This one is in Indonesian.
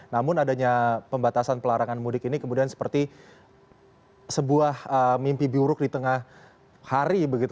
namun adanya pembatasan pelarangan mudik ini kemudian seperti sebuah mimpi buruk di tengah hari begitu